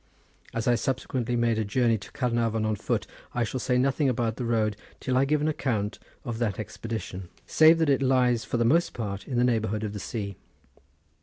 As I subsequently made a journey to Caernarvon on foot, I shall say nothing about the road till I give an account of that expedition, save that it lies for the most part in the neighbourhood of the sea.